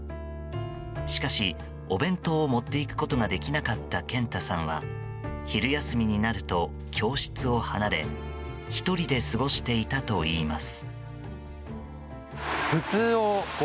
しかし、お弁当を持っていくことができなかった健太さんは昼休みになると教室を離れ１人で過ごしていたといいます。